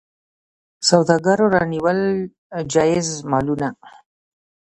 سوداګرو رانیول جایز مالونه.